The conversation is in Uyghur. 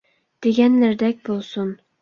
دېگەنلىرىدەك بولسۇن!